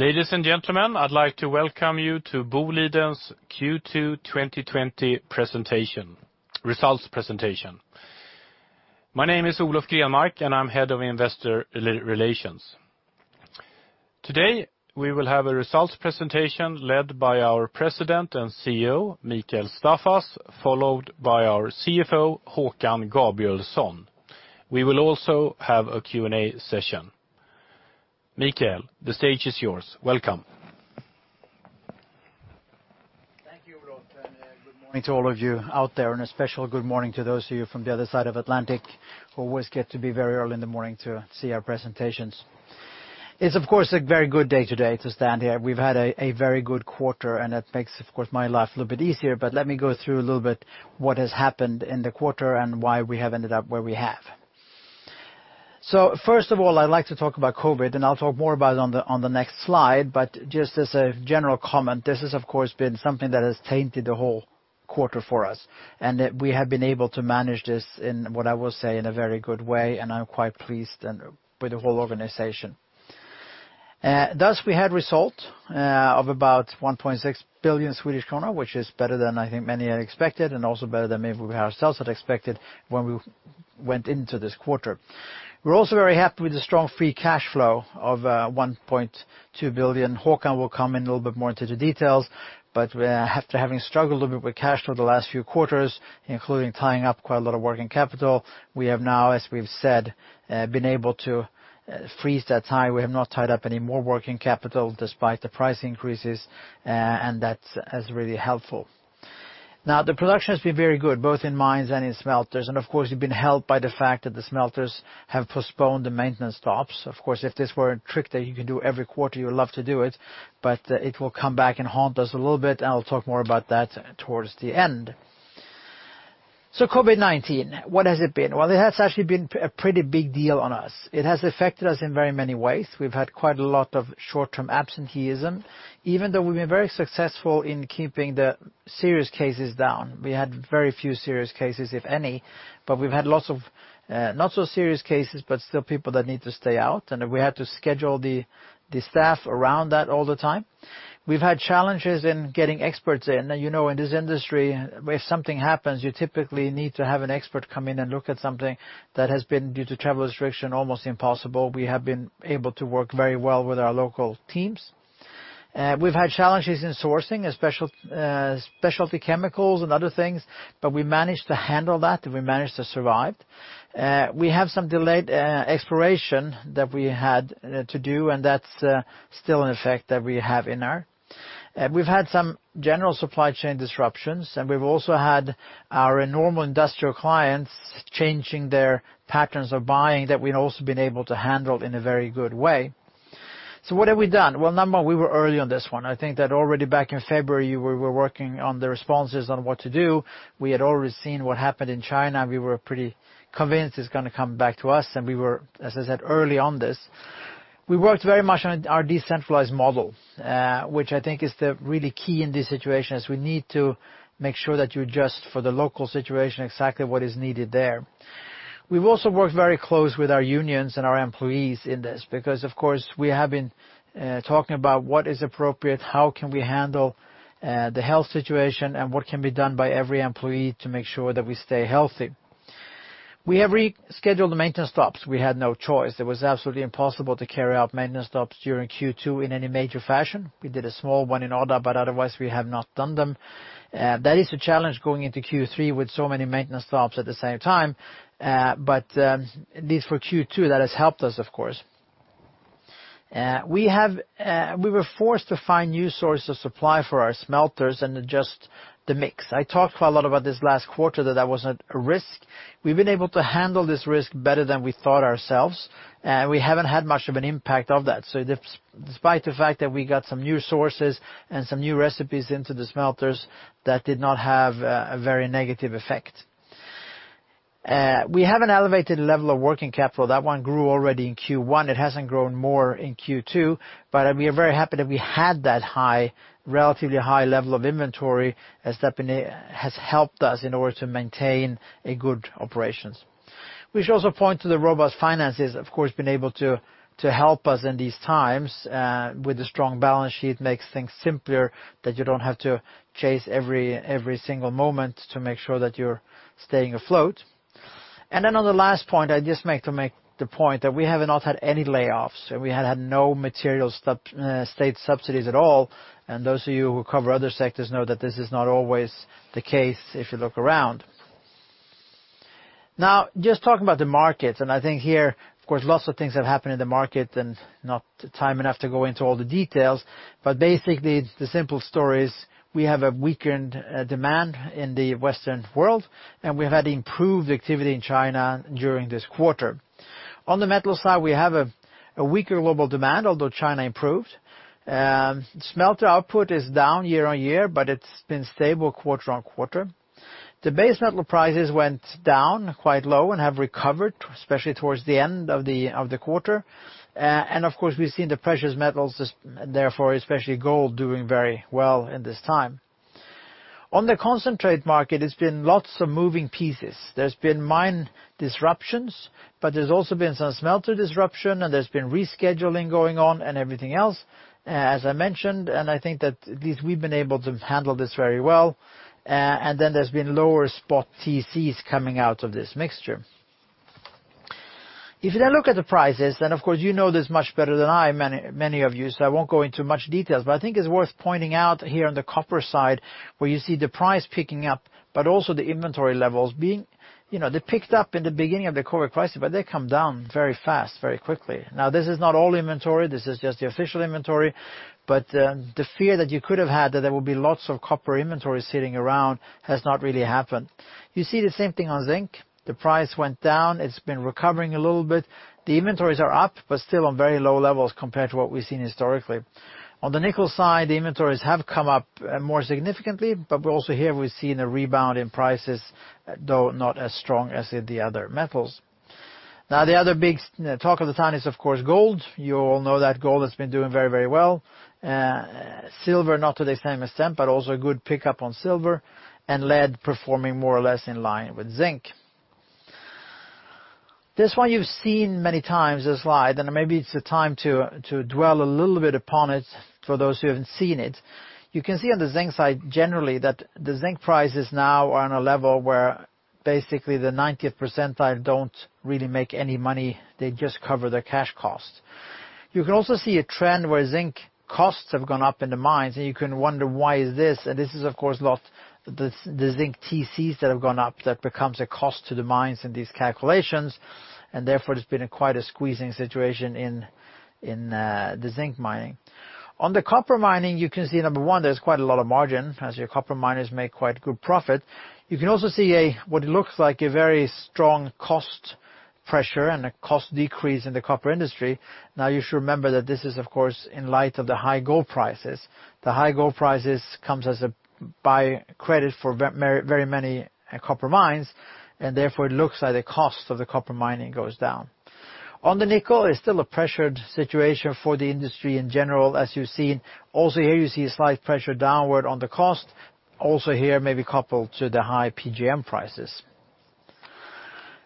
Ladies and gentlemen, I'd like to welcome you to Boliden's Q2 2020 results presentation. My name is Olof Grenmark, and I'm head of investor relations. Today, we will have a results presentation led by our President and CEO, Mikael Staffas, followed by our CFO, Håkan Gabrielsson. We will also have a Q&A session. Mikael, the stage is yours. Welcome. Thank you, Olof, and good morning to all of you out there, and a special good morning to those of you from the other side of Atlantic who always get to be very early in the morning to see our presentations. It's of course, a very good day today to stand here. We've had a very good quarter, and that makes, of course, my life a little bit easier, but let me go through a little bit what has happened in the quarter and why we have ended up where we have. First of all, I'd like to talk about COVID, and I'll talk more about it on the next slide, but just as a general comment, this has, of course, been something that has tainted the whole quarter for us. We have been able to manage this in what I will say in a very good way, and I'm quite pleased with the whole organization. Thus, we had result of about 1.6 billion Swedish kronor, which is better than I think many had expected, and also better than maybe we ourselves had expected when we went into this quarter. We're also very happy with the strong free cash flow of 1.2 billion. Håkan will come in a little bit more into the details, but after having struggled a bit with cash flow the last few quarters, including tying up quite a lot of working capital, we have now, as we've said, been able to freeze that tie. We have not tied up any more working capital despite the price increases, and that's really helpful. The production has been very good, both in mines and in smelters, and of course, we've been helped by the fact that the smelters have postponed the maintenance stops. If this were a trick that you can do every quarter, you would love to do it, but it will come back and haunt us a little bit, and I'll talk more about that towards the end. COVID-19, what has it been? It has actually been a pretty big deal on us. It has affected us in very many ways. We've had quite a lot of short-term absenteeism, even though we've been very successful in keeping the serious cases down. We had very few serious cases, if any, but we've had lots of not so serious cases, but still people that need to stay out, and we had to schedule the staff around that all the time. We've had challenges in getting experts in. You know in this industry, if something happens, you typically need to have an expert come in and look at something that has been, due to travel restriction, almost impossible. We have been able to work very well with our local teams. We've had challenges in sourcing, specialty chemicals and other things, but we managed to handle that, and we managed to survive. We have some delayed exploration that we had to do, and that's still in effect that we have in there. We've had some general supply chain disruptions, and we've also had our normal industrial clients changing their patterns of buying that we've also been able to handle in a very good way. What have we done? Well, number one, we were early on this one. I think that already back in February, we were working on the responses on what to do. We had already seen what happened in China. We were pretty convinced it is going to come back to us, and we were, as I said, early on this. We worked very much on our decentralized model, which I think is the really key in this situation, as we need to make sure that you adjust for the local situation exactly what is needed there. We've also worked very close with our unions and our employees in this because, of course, we have been talking about what is appropriate, how can we handle the health situation, and what can be done by every employee to make sure that we stay healthy. We have rescheduled the maintenance stops. We had no choice. It was absolutely impossible to carry out maintenance stops during Q2 in any major fashion. We did a small one in Odda. Otherwise, we have not done them. That is a challenge going into Q3 with so many maintenance stops at the same time. At least for Q2, that has helped us, of course. We were forced to find new sources of supply for our smelters and adjust the mix. I talked quite a lot about this last quarter that that was a risk. We've been able to handle this risk better than we thought ourselves, and we haven't had much of an impact of that. Despite the fact that we got some new sources and some new recipes into the smelters, that did not have a very negative effect. We have an elevated level of working capital. That one grew already in Q1. It hasn't grown more in Q2, but we are very happy that we had that relatively high level of inventory as that has helped us in order to maintain a good operations. We should also point to the robust finances, of course, being able to help us in these times with a strong balance sheet makes things simpler that you don't have to chase every single moment to make sure that you're staying afloat. On the last point, I just make the point that we have not had any layoffs, we had no material state subsidies at all, those of you who cover other sectors know that this is not always the case if you look around. Now, just talking about the markets, I think here, of course, lots of things have happened in the market not time enough to go into all the details, basically, the simple story is we have a weakened demand in the Western world, we have had improved activity in China during this quarter. On the metal side, we have a weaker global demand, although China improved. Smelter output is down year-on-year, it's been stable quarter-on-quarter. The base metal prices went down quite low and have recovered, especially towards the end of the quarter. Of course, we've seen the precious metals, therefore, especially gold, doing very well in this time. On the concentrate market, it's been lots of moving pieces. There's been mine disruptions, but there's also been some smelter disruption, and there's been rescheduling going on and everything else, as I mentioned, and I think that we've been able to handle this very well. There's been lower spot TCs coming out of this mixture. If you then look at the prices, then of course you know this much better than I, many of you, so I won't go into much details, but I think it's worth pointing out here on the copper side, where you see the price picking up, but also the inventory levels. They picked up in the beginning of the COVID-19 crisis, but they come down very fast, very quickly. Now, this is not all inventory. This is just the official inventory, but the fear that you could have had that there will be lots of copper inventory sitting around has not really happened. You see the same thing on zinc. The price went down. It's been recovering a little bit. The inventories are up, but still on very low levels compared to what we've seen historically. On the nickel side, the inventories have come up more significantly, but also here we've seen a rebound in prices, though not as strong as in the other metals. Now, the other big talk of the town is, of course, gold. You all know that gold has been doing very well. silver, not to the same extent, but also a good pickup on silver, and lead performing more or less in line with zinc. This one you've seen many times, this slide, and maybe it's the time to dwell a little bit upon it for those who haven't seen it. You can see on the zinc side generally that the zinc prices now are on a level where basically the 90th percentile don't really make any money. They just cover their cash cost. You can also see a trend where zinc costs have gone up in the mines. You can wonder why is this. This is of course the zinc TCs that have gone up that becomes a cost to the mines in these calculations. Therefore, it's been quite a squeezing situation in the zinc mining. On the copper mining, you can see, number one, there's quite a lot of margin as your copper miners make quite good profit. You can also see what looks like a very strong cost pressure and a cost decrease in the copper industry. You should remember that this is, of course, in light of the high gold prices. The high gold prices comes as a by-credit for very many copper mines, and therefore it looks like the cost of the copper mining goes down. On the nickel, it's still a pressured situation for the industry in general, as you've seen. Here, you see a slight pressure downward on the cost. Here, maybe coupled to the high PGM prices.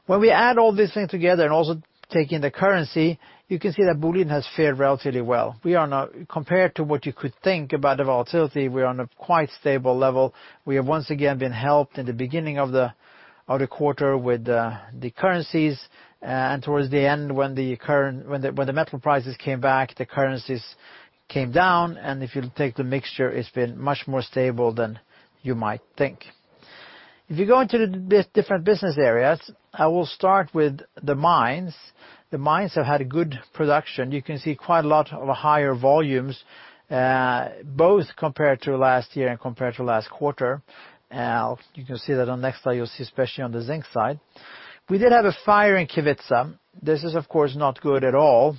When we add all these things together and also take in the currency, you can see that Boliden has fared relatively well. Compared to what you could think about the volatility, we're on a quite stable level. We have once again been helped in the beginning of the quarter with the currencies, towards the end when the metal prices came back, the currencies came down, if you take the mixture, it's been much more stable than you might think. If you go into the different business areas, I will start with the mines. The mines have had good production. You can see quite a lot of higher volumes, both compared to last year and compared to last quarter. You can see that on the next slide, you'll see especially on the zinc side. We did have a fire in Kevitsa. This is, of course, not good at all.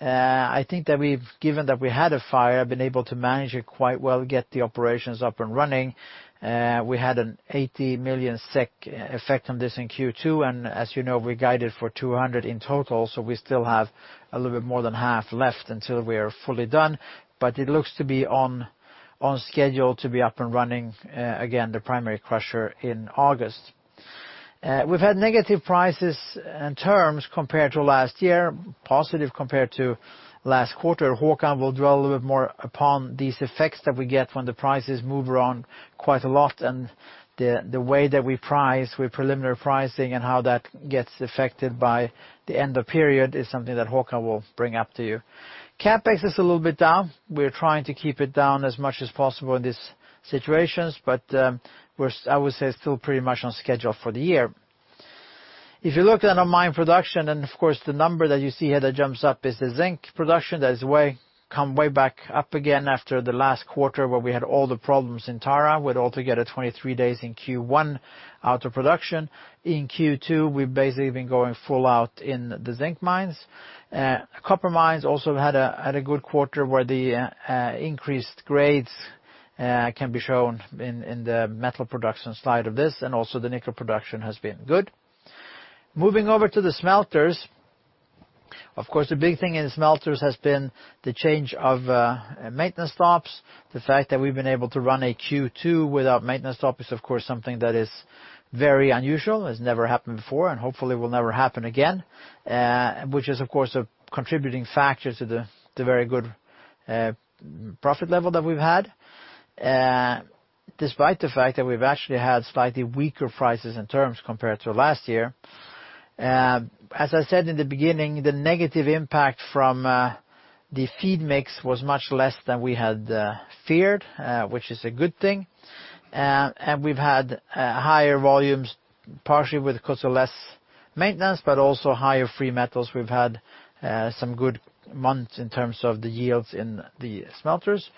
I think that given that we had a fire, been able to manage it quite well, get the operations up and running. We had an 80 million SEK effect on this in Q2, and as you know, we guided for 200 in total, so we still have a little bit more than half left until we are fully done. It looks to be on schedule to be up and running again, the primary crusher, in August. We've had negative prices and terms compared to last year, positive compared to last quarter. Håkan will dwell a little bit more upon these effects that we get when the prices move around quite a lot and the way that we price with preliminary pricing and how that gets affected by the end of period is something that Håkan will bring up to you. CapEx is a little bit down. We're trying to keep it down as much as possible in these situations, but I would say it's still pretty much on schedule for the year. If you look then on mine production, and of course, the number that you see here that jumps up is the zinc production that has come way back up again after the last quarter where we had all the problems in Tara with altogether 23 days in Q1 out of production. In Q2, we've basically been going full out in the zinc mines. Copper mines also had a good quarter where the increased grades can be shown in the metal production side of this, and also the nickel production has been good. Moving over to the smelters, of course, the big thing in smelters has been the change of maintenance stops. The fact that we've been able to run a Q2 without maintenance stop is, of course, something that is very unusual, has never happened before, and hopefully will never happen again, which is, of course, a contributing factor to the very good profit level that we've had, despite the fact that we've actually had slightly weaker prices and terms compared to last year. As I said in the beginning, the negative impact from the feed mix was much less than we had feared, which is a good thing. We've had higher volumes, partially because of less maintenance, but also higher free metals. We've had some good months in terms of the yields in the smelters.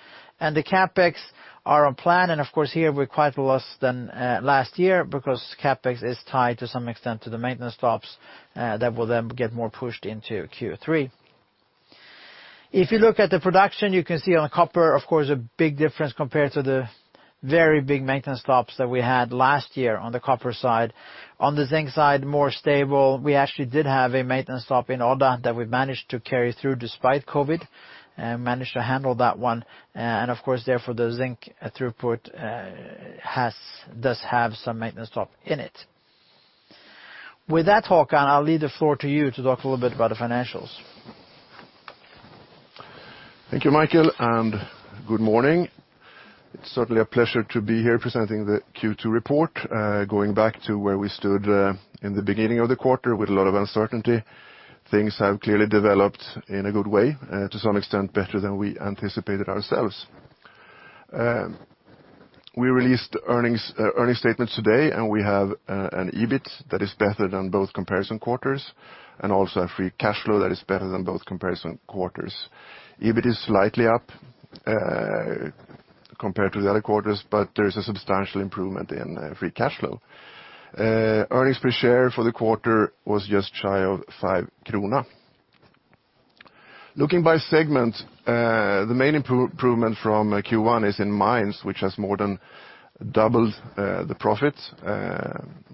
The CapEx are on plan, and of course, here we're quite less than last year because CapEx is tied to some extent to the maintenance stops that will then get more pushed into Q3. If you look at the production, you can see on copper, of course, a big difference compared to the very big maintenance stops that we had last year on the copper side. On the zinc side, more stable. We actually did have a maintenance stop in Odda that we managed to carry through despite COVID-19, managed to handle that one, and of course, therefore, the zinc throughput does have some maintenance stop in it. With that, Håkan, I'll leave the floor to you to talk a little bit about the financials. Thank you, Mikael. Good morning. It's certainly a pleasure to be here presenting the Q2 report. Going back to where we stood in the beginning of the quarter with a lot of uncertainty, things have clearly developed in a good way, to some extent better than we anticipated ourselves. We released earnings statements today. We have an EBIT that is better than both comparison quarters, also a free cash flow that is better than both comparison quarters. EBIT is slightly up compared to the other quarters. There is a substantial improvement in free cash flow. Earnings per share for the quarter was just shy of 5 krona. Looking by segment, the main improvement from Q1 is in mines, which has more than doubled the profit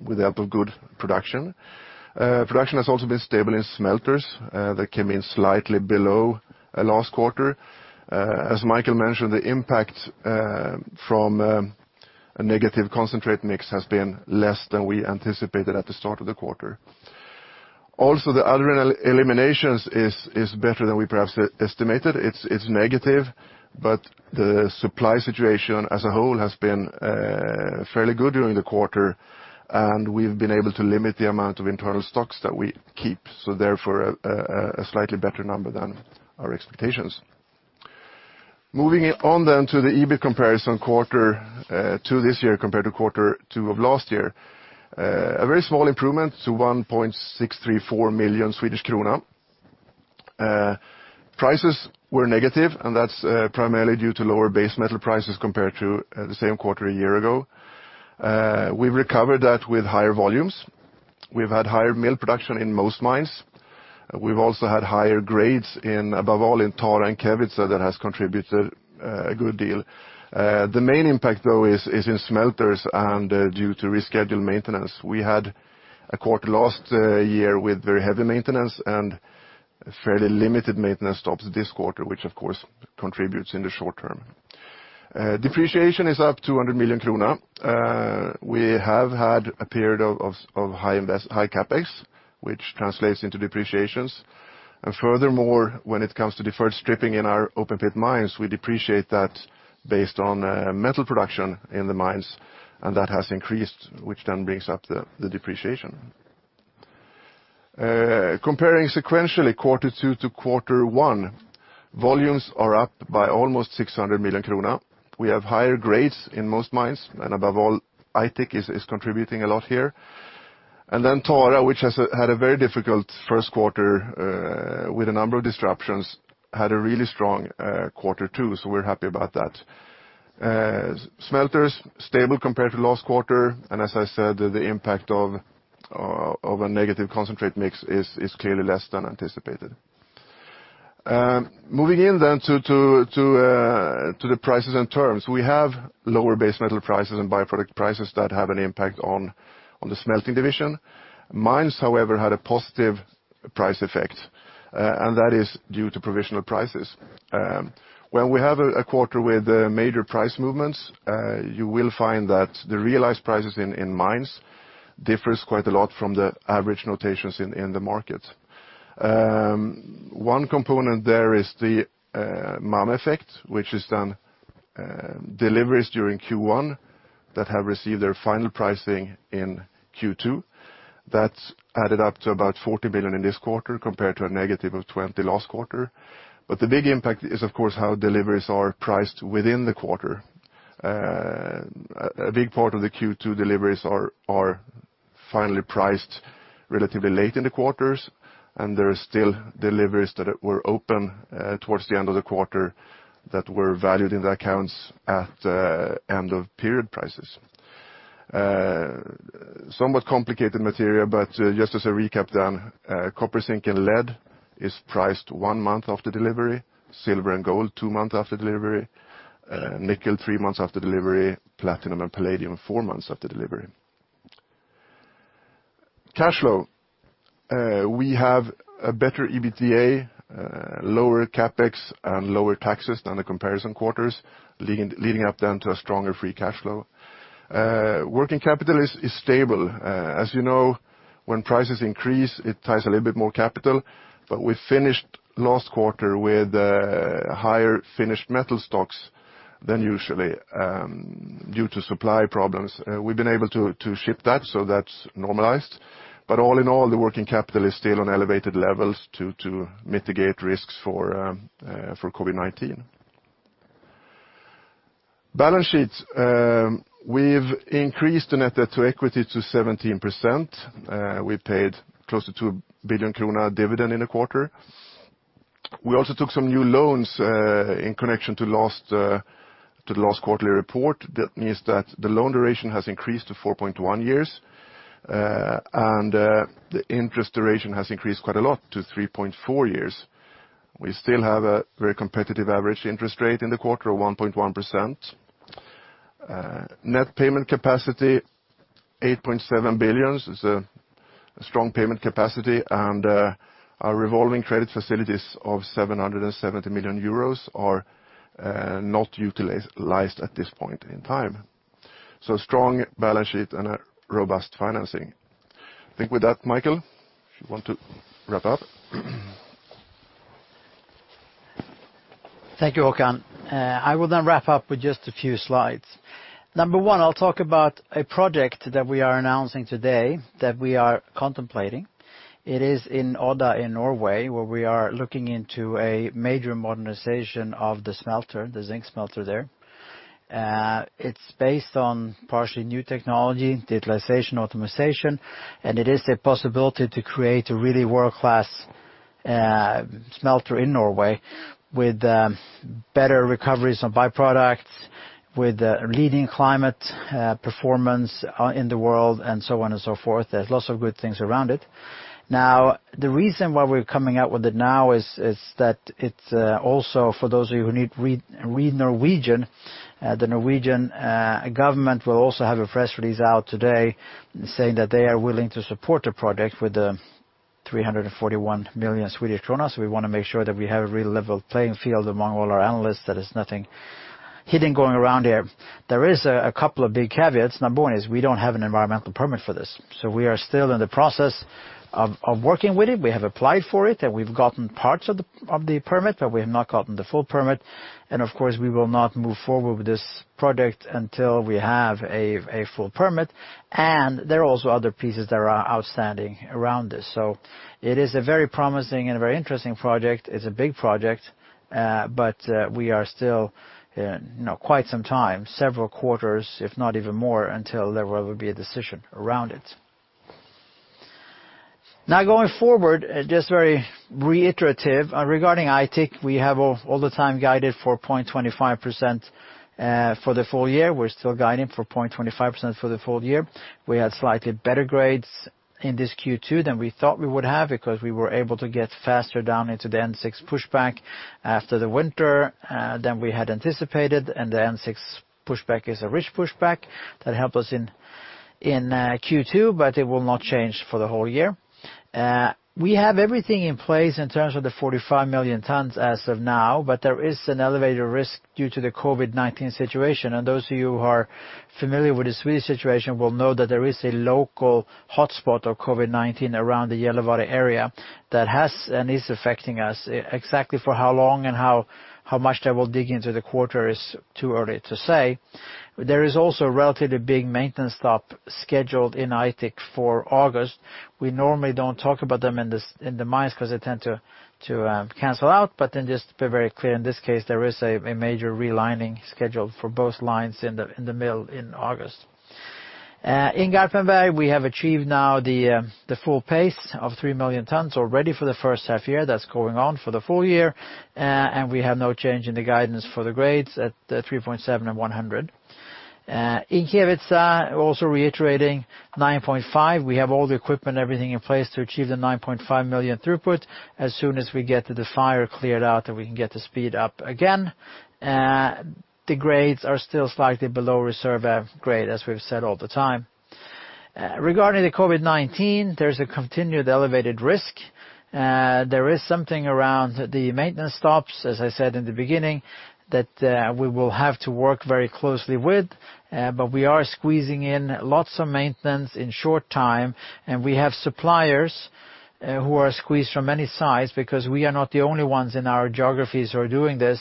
with the help of good production. Production has also been stable in smelters. That came in slightly below last quarter. As Mikael mentioned, the impact from a negative concentrate mix has been less than we anticipated at the start of the quarter. The other eliminations is better than we perhaps estimated. It's negative, but the supply situation as a whole has been fairly good during the quarter, and we've been able to limit the amount of internal stocks that we keep. Therefore, a slightly better number than our expectations. Moving on to the EBIT comparison, Q2 this year compared to Q2 of last year. A very small improvement to 1,634 million Swedish krona. Prices were negative, and that's primarily due to lower base metal prices compared to the same quarter a year ago. We've recovered that with higher volumes. We've had higher mill production in most mines. We've also had higher grades above all in Tara and Kevitsa that has contributed a good deal. The main impact, though, is in smelters due to rescheduled maintenance. We had a quarter last year with very heavy maintenance and fairly limited maintenance stops this quarter, which of course contributes in the short term. Depreciation is up 200 million krona. We have had a period of high CapEx, which translates into depreciations. Furthermore, when it comes to deferred stripping in our open pit mines, we depreciate that based on metal production in the mines, and that has increased, which then brings up the depreciation. Comparing sequentially Q2 to Q1, volumes are up by almost 600 million krona. We have higher grades in most mines, above all, Aitik is contributing a lot here. Then Tara, which has had a very difficult Q1 with a number of disruptions, had a really strong Q2, so we're happy about that. Smelters, stable compared to last quarter, and as I said, the impact of a negative concentrate mix is clearly less than anticipated. Moving in to the prices and terms. We have lower base metal prices and by-product prices that have an impact on the smelting division. Mines, however, had a positive price effect. That is due to provisional prices. When we have a quarter with major price movements, you will find that the realized prices in mines differs quite a lot from the average notations in the market. One component there is the MAM effect, which is then deliveries during Q1 that have received their final pricing in Q2. That is added up to about 40 million in this quarter, compared to a negative of 20 last quarter. The big impact is, of course, how deliveries are priced within the quarter. A big part of the Q2 deliveries are finally priced relatively late in the quarters, and there are still deliveries that were open towards the end of the quarter that were valued in the accounts at end of period prices. Somewhat complicated material, but just as a recap then. Copper, zinc, and lead is priced one month after delivery, silver and gold two months after delivery, nickel three months after delivery, platinum and palladium four months after delivery. Cash flow. We have a better EBITDA, lower CapEx, and lower taxes than the comparison quarters, leading up then to a stronger free cash flow. Working capital is stable. As you know, when prices increase, it ties a little bit more capital, but we finished last quarter with higher finished metal stocks than usually due to supply problems. We've been able to ship that, so that's normalized. All in all, the working capital is still on elevated levels to mitigate risks for COVID-19. Balance sheet. We’ve increased the net debt to equity to 17%. We paid closer to 1 billion krona dividend in the quarter. We also took some new loans in connection to the last quarterly report. That means that the loan duration has increased to 4.1 years, and the interest duration has increased quite a lot to 3.4 years. We still have a very competitive average interest rate in the quarter of 1.1%. Net payment capacity, 8.7 billion is a strong payment capacity. Our revolving credit facilities of 770 million euros are not utilized at this point in time. Strong balance sheet and a robust financing. I think with that, Mikael, if you want to wrap up Thank you, Håkan. I will wrap up with just a few slides. Number 1, I'll talk about a project that we are announcing today that we are contemplating. It is in Odda in Norway, where we are looking into a major modernization of the smelter, the zinc smelter there. It's based on partially new technology, digitalization, optimization. It is a possibility to create a really world-class smelter in Norway with better recoveries on byproducts, with leading climate performance in the world, so on and so forth. There's lots of good things around it. The reason why we're coming out with it now is that it's also for those of you who need read Norwegian, the Norwegian government will also have a press release out today saying that they are willing to support the project with NOK 341 million. We want to make sure that we have a real level playing field among all our analysts, that it's nothing hidden going around here. There is a couple of big caveats. Number one is we don't have an environmental permit for this. We are still in the process of working with it. We have applied for it, and we've gotten parts of the permit, but we have not gotten the full permit. Of course, we will not move forward with this project until we have a full permit. There are also other pieces that are outstanding around this. It is a very promising and very interesting project. It's a big project, but we are still quite some time, several quarters, if not even more, until there will be a decision around it. Going forward, just very reiterative regarding Aitik, we have all the time guided for 0.25% for the full year. We're still guiding for 0.25% for the full year. We had slightly better grades in this Q2 than we thought we would have, because we were able to get faster down into the N6 pushback after the winter than we had anticipated. The N6 pushback is a rich pushback that helped us in Q2, but it will not change for the whole year. We have everything in place in terms of the 45 million tons as of now, but there is an elevated risk due to the COVID-19 situation. Those of you who are familiar with the Swedish situation will know that there is a local hotspot of COVID-19 around the Gällivare area that has and is affecting us. Exactly for how long and how much that will dig into the quarter is too early to say. There is also a relatively big maintenance stop scheduled in Aitik for August. We normally don't talk about them in the mines because they tend to cancel out. Just to be very clear, in this case, there is a major realigning scheduled for both lines in the mill in August. In Garpenberg, we have achieved now the full pace of 3 million tons already for the first half year. That's going on for the full year. We have no change in the guidance for the grades at 3.7 and 100. In Kevitsa, also reiterating 9.5. We have all the equipment, everything in place to achieve the 9.5 million throughput as soon as we get the fire cleared out, and we can get the speed up again. The grades are still slightly below reserve grade, as we've said all the time. Regarding the COVID-19, there's a continued elevated risk. There is something around the maintenance stops, as I said in the beginning, that we will have to work very closely with, but we are squeezing in lots of maintenance in short time, and we have suppliers who are squeezed from many sides because we are not the only ones in our geographies who are doing this.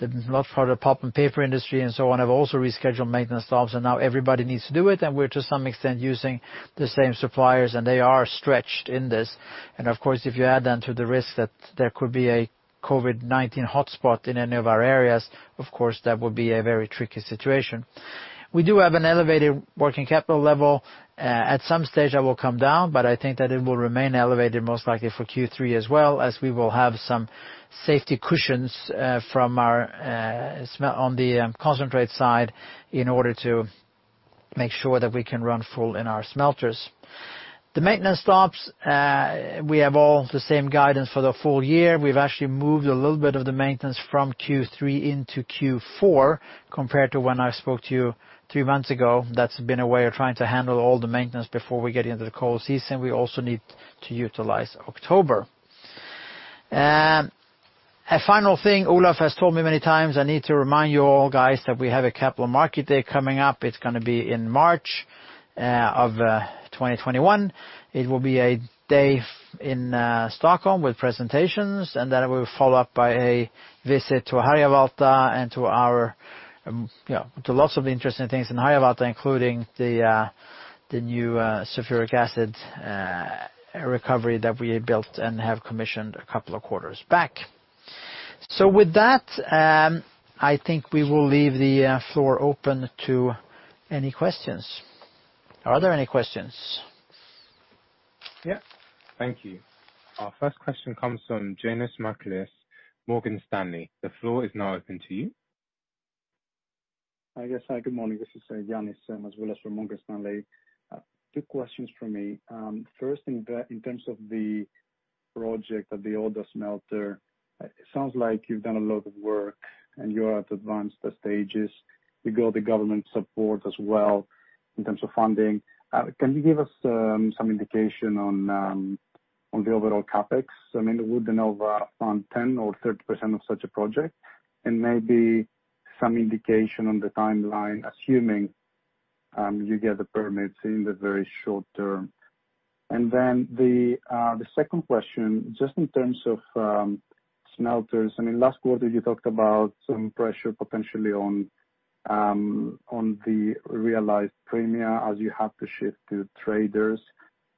A lot for the pulp and paper industry and so on have also rescheduled maintenance stops. Now everybody needs to do it, and we're to some extent using the same suppliers, and they are stretched in this. Of course, if you add then to the risk that there could be a COVID-19 hotspot in any of our areas, of course, that would be a very tricky situation. We do have an elevated working capital level. At some stage, that will come down, I think that it will remain elevated most likely for Q3 as well as we will have some safety cushions on the concentrate side in order to make sure that we can run full in our smelters. The maintenance stops, we have all the same guidance for the full year. We've actually moved a little bit of the maintenance from Q3 into Q4 compared to when I spoke to you three months ago. That's been a way of trying to handle all the maintenance before we get into the cold season. We also need to utilize October. A final thing, Olof has told me many times, I need to remind you all guys that we have a capital market day coming up. It's going to be in March of 2021. It will be a day in Stockholm with presentations, and then it will follow up by a visit to Harjavalta and to lots of interesting things in Harjavalta, including the new sulfuric acid recovery that we built and have commissioned a couple of quarters back. With that, I think we will leave the floor open to any questions. Are there any questions? Yeah. Thank you. Our first question comes from Ioannis Masvoulas, Morgan Stanley. The floor is now open to you. Yes. Good morning. This is Ioannis Masvoulas from Morgan Stanley. Two questions from me. First, in terms of the project at the Odda smelter, it sounds like you've done a lot of work, and you are at advanced stages. You got the government support as well in terms of funding. Can you give us some indication on the overall CapEx? I mean, would it be over on 10% or 30% of such a project? Maybe some indication on the timeline, assuming you get the permits in the very short term. The second question, just in terms of smelters, I mean, last quarter you talked about some pressure potentially on the realized premia as you have to shift to traders.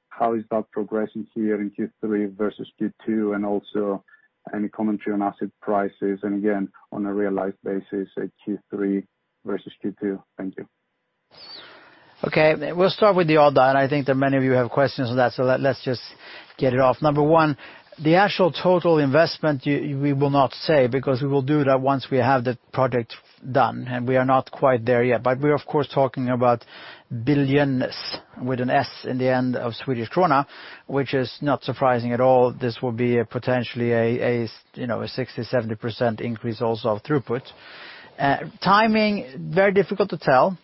How is that progressing here in Q3 versus Q2, and also any commentary on acid prices, and again, on a realized basis at Q3 versus Q2? Thank you. Okay. We'll start with the Odda. I think that many of you have questions on that, so let's just get it off. Number one, the actual total investment, we will not say because we will do that once we have the project done, and we are not quite there yet. We're of course talking about billions with an S in the end of SEK, which is not surprising at all. This will be a potentially a 60%-70% increase also of throughput. Timing, very difficult to tell.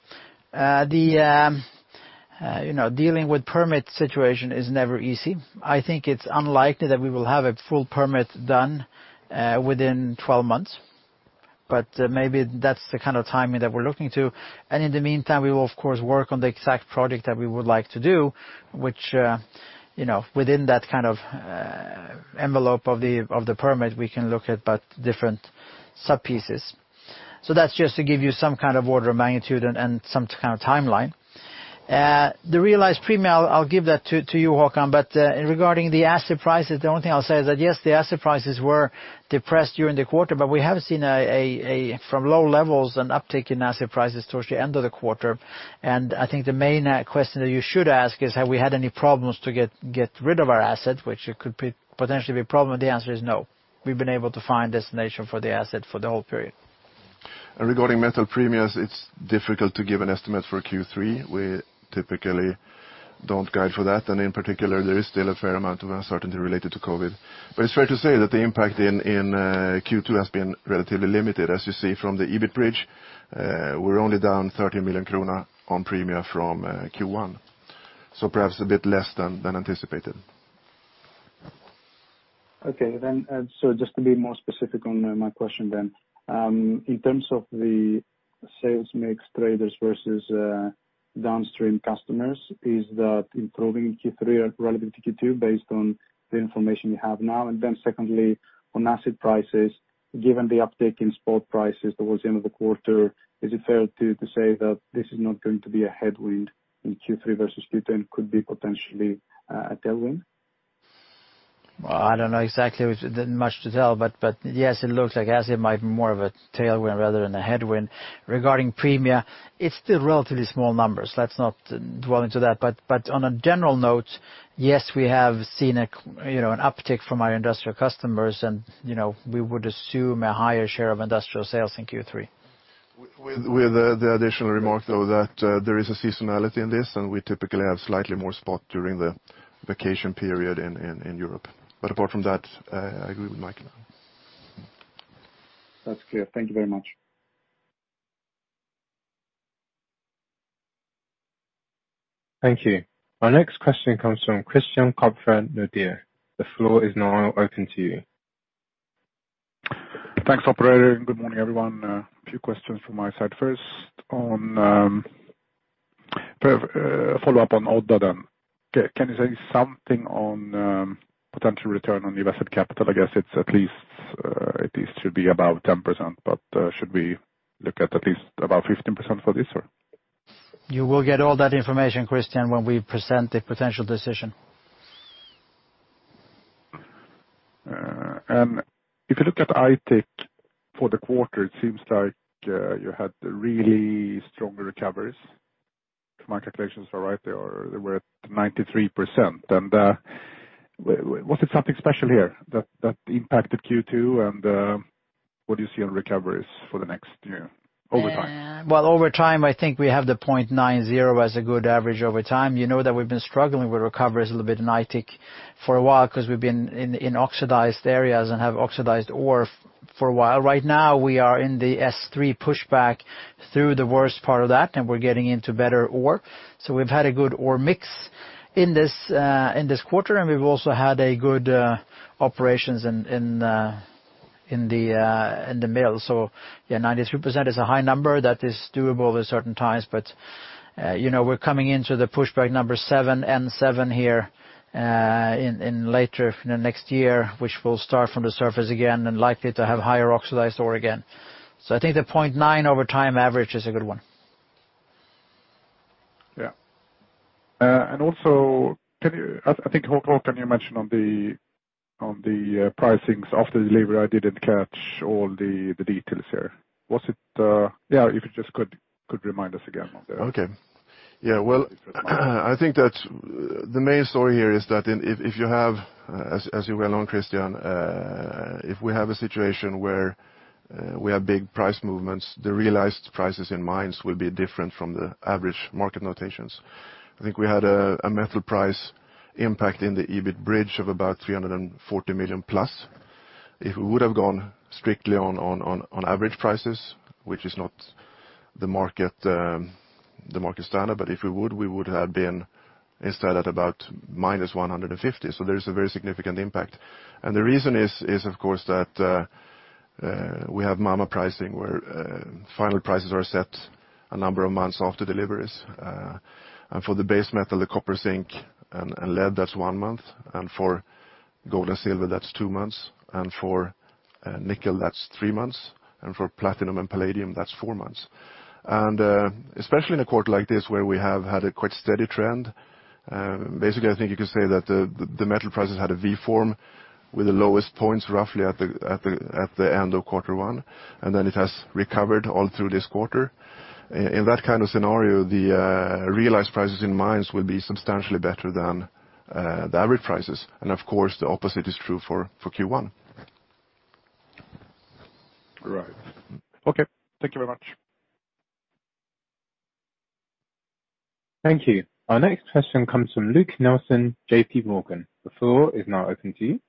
Dealing with permit situation is never easy. I think it's unlikely that we will have a full permit done within 12 months. Maybe that's the kind of timing that we're looking to. In the meantime, we will of course work on the exact project that we would like to do, which within that envelope of the permit we can look at different sub-pieces. That's just to give you some order of magnitude and some timeline. The realized premia, I'll give that to you, Håkan, regarding the acid prices, the only thing I'll say is that yes, the acid prices were depressed during the quarter, but we have seen from low levels an uptick in acid prices towards the end of the quarter. I think the main question that you should ask is have we had any problems to get rid of our acid, which could potentially be a problem, the answer is no. We've been able to find destination for the acid for the whole period. Regarding metal premias, it's difficult to give an estimate for Q3. We typically don't guide for that, and in particular, there is still a fair amount of uncertainty related to COVID. It's fair to say that the impact in Q2 has been relatively limited. As you see from the EBIT bridge, we're only down 30 million kronor on premia from Q1, so perhaps a bit less than anticipated. Just to be more specific on my question then. In terms of the sales mix traders versus downstream customers, is that improving in Q3 relative to Q2 based on the information you have now? Secondly, on acid prices, given the uptick in spot prices towards the end of the quarter, is it fair to say that this is not going to be a headwind in Q3 versus Q2 could be potentially a tailwind? Well, I don't know exactly, much to tell, but yes, it looks like a might be more of a tailwind rather than a headwind. Regarding premia, it's still relatively small numbers. Let's not dwell into that. On a general note, yes, we have seen an uptick from our industrial customers and we would assume a higher share of industrial sales in Q3. With the additional remark though that there is a seasonality in this, and we typically have slightly more spot during the vacation period in Europe. Apart from that, I agree with Mikael now. That's clear. Thank you very much. Thank you. Our next question comes from Christian Kopfer, Nordea. The floor is now open to you. Thanks operator. Good morning, everyone. A few questions from my side. First, on follow up on Odda. Can you say something on potential return on invested capital? I guess it at least should be above 10%. Should we look at at least above 15% for this or? You will get all that information, Christian, when we present the potential decision. If you look at Aitik for the quarter, it seems like you had really stronger recoveries. If my calculations are right, they were at 93%. Was it something special here that impacted Q2 and what do you see on recoveries for the next year over time? Well, over time, I think we have the 0.90 as a good average over time. You know that we've been struggling with recoveries a little bit in Aitik for a while because we've been in oxidized areas and have oxidized ore for a while. Right now we are in the S3 pushback through the worst part of that, and we're getting into better ore. We've had a good ore mix in this quarter, and we've also had a good operations in the mill. Yeah, 93% is a high number that is doable at certain times, but we're coming into the pushback number 7, N7 here in later next year, which will start from the surface again and likely to have higher oxidized ore again. I think the 0.9 over time average is a good one. Yeah. Can you, I think, Håkan, you mentioned on the pricings after delivery, I didn't catch all the details here. Yeah, if you just could remind us again on that. Well, I think that the main story here is that if you have, as you well know, Christian, if we have a situation where we have big price movements, the realized prices in mines will be different from the average market notations. I think we had a metal price impact in the EBIT bridge of about 340 million plus. If we would've gone strictly on average prices, which is not the market standard, but if we would, we would have been instead at about -150 million. There is a very significant impact. The reason is, of course, that we have MAM pricing where final prices are set a number of months after deliveries. For the base metal, the copper, zinc, and lead, that's one month. For gold and silver, that's two months. For nickel, that's three months. For platinum and palladium, that's four months. Especially in a quarter like this where we have had a quite steady trend. Basically, I think you could say that the metal prices had a V form with the lowest points roughly at the end of quarter one, and then it has recovered all through this quarter. In that kind of scenario, the realized prices in mines will be substantially better than the average prices. Of course, the opposite is true for Q1. Right. Okay. Thank you very much. Thank you. Our next question comes from Luke Nelson, J.P. Morgan. The floor is now open to you.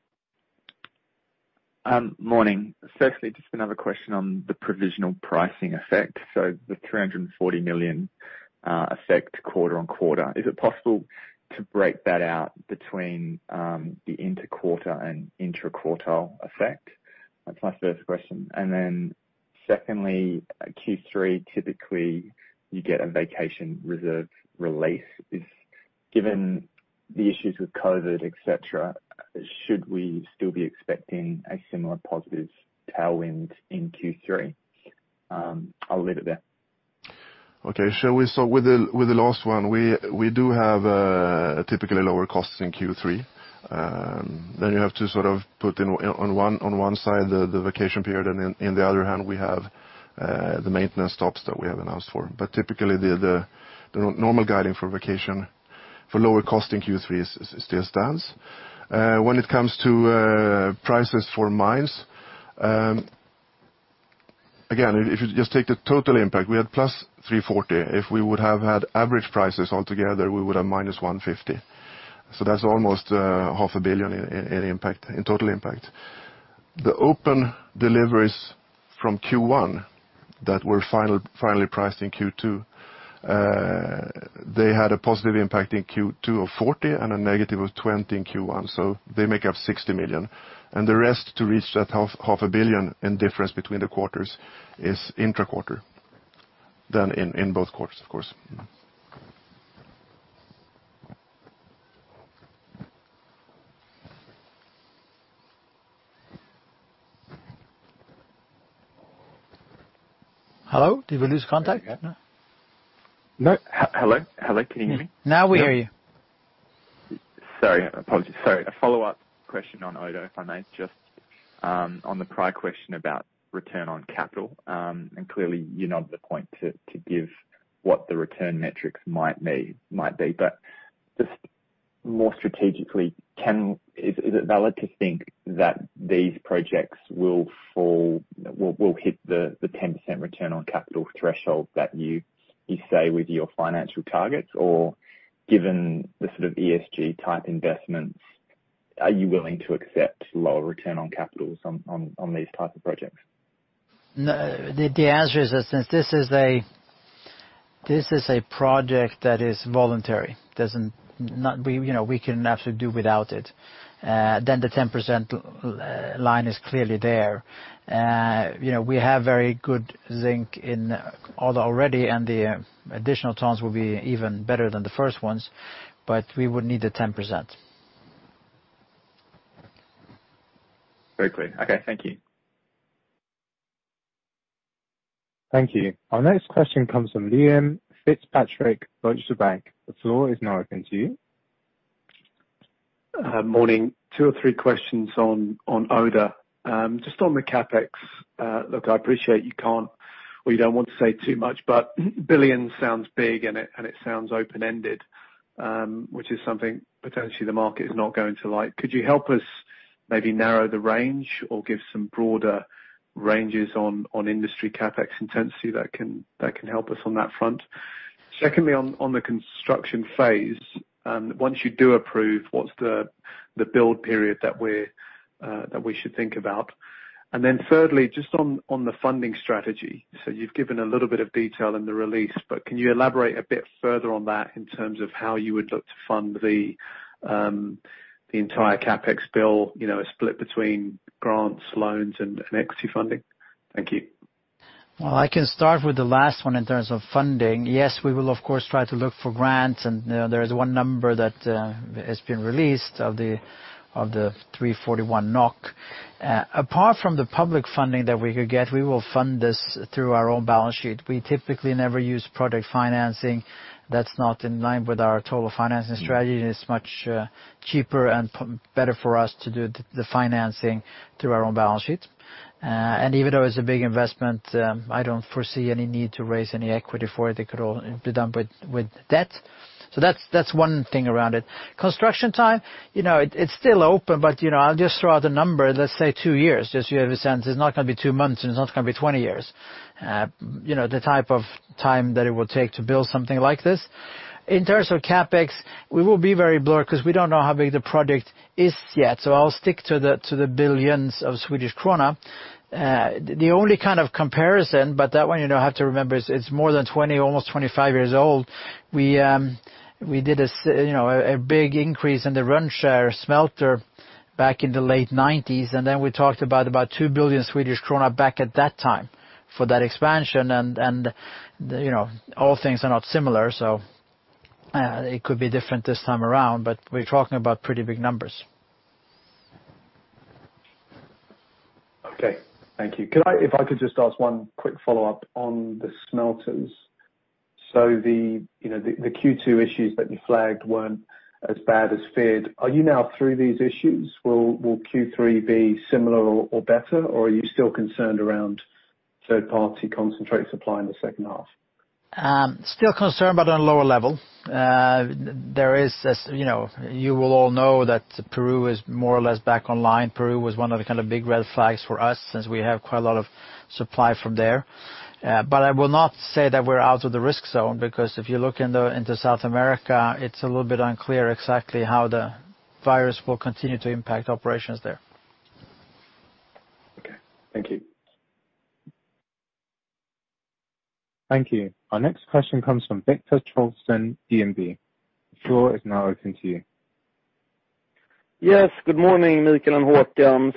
Morning. Firstly, just another question on the provisional pricing effect. The 340 million effect quarter-on-quarter. Is it possible to break that out between the intra-quarter and inter-quarter effect? That's my first question. Secondly, Q3, typically you get a vacation reserve release. Given the issues with COVID-19, et cetera, should we still be expecting a similar positive tailwind in Q3? I'll leave it there. Okay. With the last one, we do have typically lower costs in Q3. You have to sort of put in on one side the vacation period, and in the other hand, we have the maintenance stops that we have announced for. Typically, the normal guiding for vacation for lower cost in Q3 still stands. When it comes to prices for mines, again, if you just take the total impact, we had plus 340. If we would have had average prices altogether, we would have -150. That's almost SEK half a billion in total impact. The open deliveries from Q1 that were finally priced in Q2 they had a positive impact in Q2 of 40 and a negative of 20 in Q1, so they make up 60 million. The rest to reach that SEK half a billion in difference between the quarters is intra-company than in both quarters, of course. Hello? Did we lose contact? No. Hello? Hello, can you hear me? Now we hear you. Sorry. Apologies. Sorry. A follow-up question on Odda, if I may, just on the prior question about return on capital. Clearly you're not at the point to give what the return metrics might be. Just more strategically, is it valid to think that these projects will hit the 10% return on capital threshold that you say with your financial targets, or given the sort of ESG type investments, are you willing to accept lower return on capitals on these type of projects? The answer is that since this is a project that is voluntary, we can absolutely do without it. The 10% line is clearly there. We have very good zinc in Odda already, and the additional tons will be even better than the first ones, but we would need the 10%. Very clear. Okay. Thank you. Thank you. Our next question comes from Liam Fitzpatrick, Deutsche Bank. The floor is now open to you. Morning. Two or three questions on Odda. Just on the CapEx. I appreciate you can't, or you don't want to say too much, billion sounds big and it sounds open-ended, which is something potentially the market is not going to like. Could you help us maybe narrow the range or give some broader ranges on industry CapEx intensity that can help us on that front? Secondly, on the construction phase, once you do approve, what's the build period that we should think about? Thirdly, just on the funding strategy. You've given a little bit of detail in the release, can you elaborate a bit further on that in terms of how you would look to fund the entire CapEx bill, split between grants, loans, and equity funding? Thank you. I can start with the last one in terms of funding. Yes, we will, of course, try to look for grants, and there is one number that has been released of the 341 NOK. Apart from the public funding that we could get, we will fund this through our own balance sheet. We typically never use project financing. That's not in line with our total financing strategy, and it's much cheaper and better for us to do the financing through our own balance sheet. Even though it's a big investment, I don't foresee any need to raise any equity for it. It could all be done with debt. That's one thing around it. Construction time, it's still open, but I'll just throw out a number. Let's say two years, just so you have a sense. It's not going to be two months, and it's not going to be 20 years. The type of time that it will take to build something like this. In terms of CapEx, we will be very blurred because we don't know how big the project is yet, so I'll stick to the billions of SEK. The only kind of comparison, but that one you have to remember is it's more than 20, almost 25 years old. We did a big increase in the Rönnskär smelter back in the late 1990s, and then we talked about 2 billion Swedish krona back at that time for that expansion and all things are not similar, so it could be different this time around, but we're talking about pretty big numbers. Okay. Thank you. If I could just ask one quick follow-up on the smelters. The Q2 issues that you flagged weren't as bad as feared. Are you now through these issues? Will Q3 be similar or better, or are you still concerned around third-party concentrate supply in the second half? Still concerned, but on a lower level. You will all know that Peru is more or less back online. Peru was one of the big red flags for us since we have quite a lot of supply from there. I will not say that we're out of the risk zone, because if you look into South America, it's a little bit unclear exactly how the virus will continue to impact operations there. Okay. Thank you. Thank you. Our next question comes from Victor Hansen, DNB. The floor is now open to you. Yes. Good morning, Mikael and Håkan.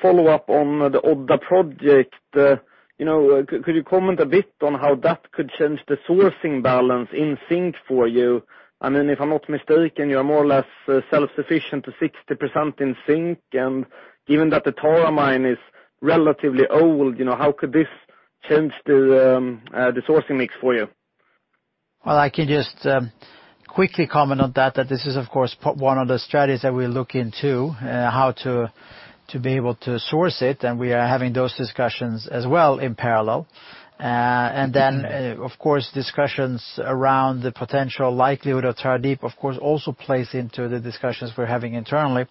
Follow-up on the Odda project. Could you comment a bit on how that could change the sourcing balance in zinc for you? If I'm not mistaken, you are more or less self-sufficient to 60% in zinc, and given that the Tara mine is relatively old, how could this change the sourcing mix for you? Well, I can just quickly comment on that this is of course one of the strategies that we look into, how to be able to source it, and we are having those discussions as well in parallel. Then, of course, discussions around the potential likelihood of Tara Deep, of course, also plays into the discussions we're having internally.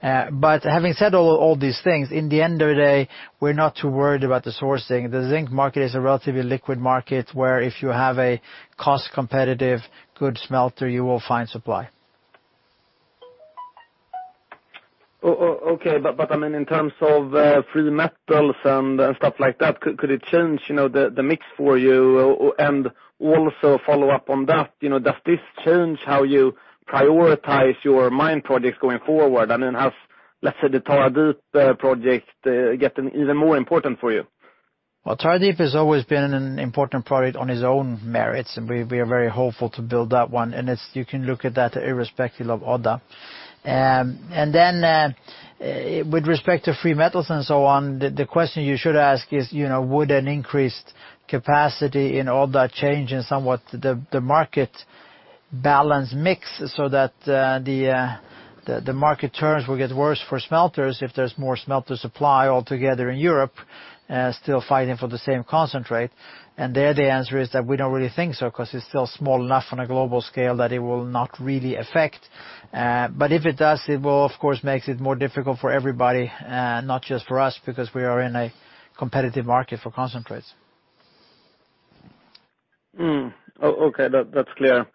Having said all these things, in the end of the day, we're not too worried about the sourcing. The zinc market is a relatively liquid market where if you have a cost competitive, good smelter, you will find supply. Okay. In terms of free metals and stuff like that, could it change the mix for you? Also follow up on that, does this change how you prioritize your mine projects going forward? Then has, let's say, the Tara Deep project gotten even more important for you? Well, Tara Deep has always been an important project on its own merits, and we are very hopeful to build that one. You can look at that irrespective of Odda. With respect to free metals and so on, the question you should ask is would an increased capacity in Odda change in somewhat the market balance mix so that the market terms will get worse for smelters if there's more smelter supply altogether in Europe still fighting for the same concentrate? There the answer is that we don't really think so because it's still small enough on a global scale that it will not really affect. If it does, it will of course makes it more difficult for everybody, not just for us, because we are in a competitive market for concentrates. Okay. That's clear.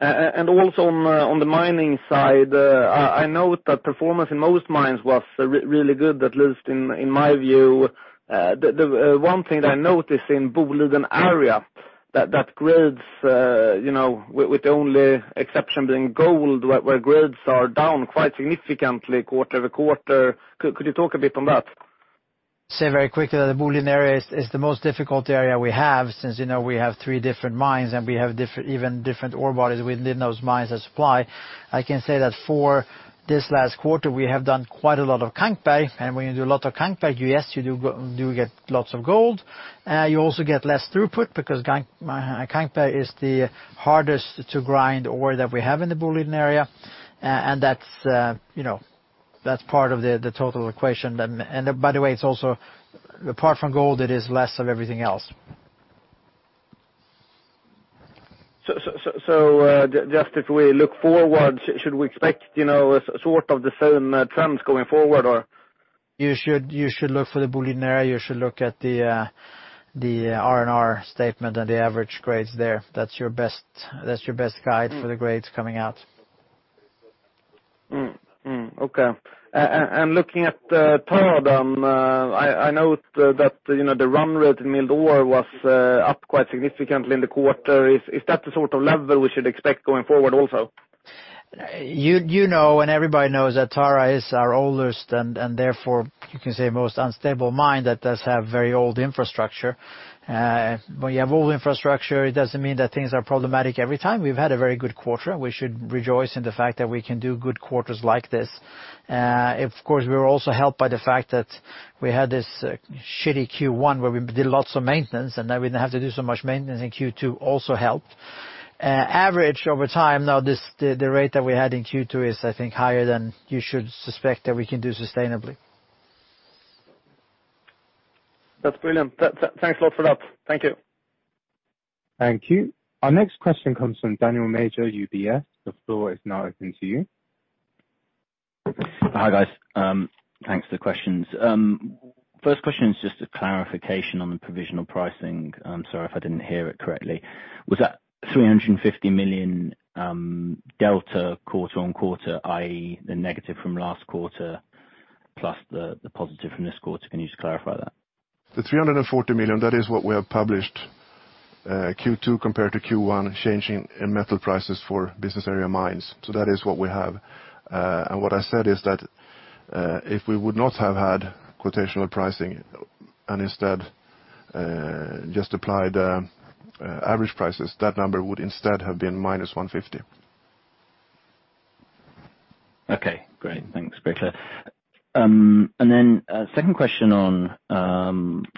Also on the mining side, I note that performance in most mines was really good, at least in my view. The one thing that I noticed in Boliden area that grades with the only exception being gold, where grades are down quite significantly quarter-over-quarter. Could you talk a bit on that? Say very quickly that the Boliden area is the most difficult area we have since we have three different mines and we have even different ore bodies within those mines that supply. I can say that for this last quarter, we have done quite a lot of Kankberg, and when you do a lot of Kankberg, yes, you do get lots of gold. You also get less throughput because Kankberg is the hardest to grind ore that we have in the Boliden area, and that's part of the total equation. By the way, apart from gold, it is less of everything else. Just if we look forward, should we expect sort of the same trends going forward or? You should look for the Boliden area. You should look at the R&R statement and the average grades there. That's your best guide for the grades coming out. Okay. Looking at Tara, I note that the run-of-mine ore was up quite significantly in the quarter. Is that the sort of level we should expect going forward also? You know everybody knows that Tara is our oldest and therefore you can say most unstable mine that does have very old infrastructure. When you have old infrastructure, it doesn't mean that things are problematic every time. We've had a very good quarter. We should rejoice in the fact that we can do good quarters like this. Of course, we were also helped by the fact that we had this shitty Q1 where we did lots of maintenance, and that we didn't have to do so much maintenance in Q2 also helped. Average over time, now the rate that we had in Q2 is, I think, higher than you should suspect that we can do sustainably. That's brilliant. Thanks a lot for that. Thank you. Thank you. Our next question comes from Daniel Major, UBS. The floor is now open to you. Hi guys. Thanks for the questions. First question is just a clarification on the provisional pricing. I'm sorry if I didn't hear it correctly. Was that 350 million delta quarter-on-quarter, i.e., the negative from last quarter plus the positive from this quarter? Can you just clarify that? The 340 million, that is what we have published Q2 compared to Q1 changing in metal prices for business area mines. That is what we have. What I said is that if we would not have had quotational pricing and instead just applied average prices, that number would instead have been -150. Okay, great. Thanks. Very clear. Second question on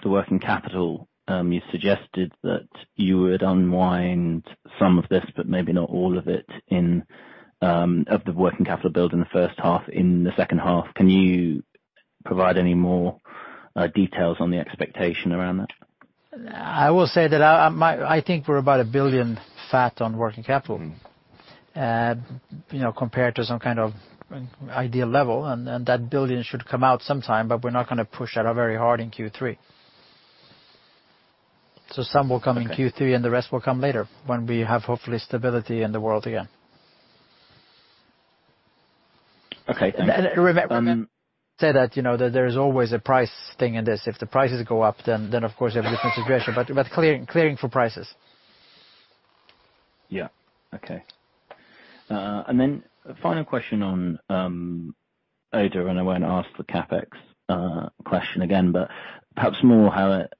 the working capital. You suggested that you would unwind some of this, but maybe not all of it of the working capital build in the first half, in the second half. Can you provide any more details on the expectation around that? I will say that I think we're about 1 billion fat on working capital compared to some kind of ideal level, and that 1 billion should come out sometime, but we're not going to push that very hard in Q3. Some will come in Q3 and the rest will come later when we have, hopefully, stability in the world again. Okay. Remember, say that there is always a price thing in this. If the prices go up, then of course you have a different situation, but clearing for prices. Yeah. Okay. Then final question on Odda, and I won't ask the CapEx question again, but perhaps more how it